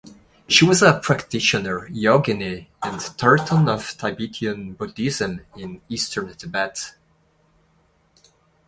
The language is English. She was a practitioner, yogini, and terton of Tibetan Buddhism in Eastern Tibet.